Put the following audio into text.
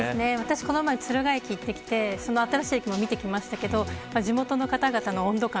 この前、敦賀駅に行ってきて新しい駅も見ましたけど地元の方々の温度感